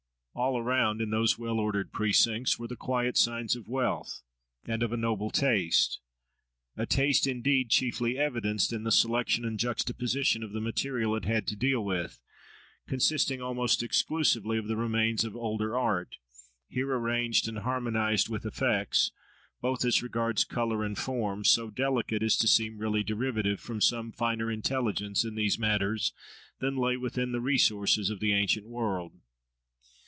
All around, in those well ordered precincts, were the quiet signs of wealth, and of a noble taste—a taste, indeed, chiefly evidenced in the selection and juxtaposition of the material it had to deal with, consisting almost exclusively of the remains of older art, here arranged and harmonised, with effects, both as regards colour and form, so delicate as to seem really derivative from some finer intelligence in these matters than lay within the resources of the ancient world.